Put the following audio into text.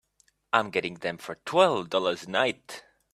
I'm getting them for twelve dollars a night.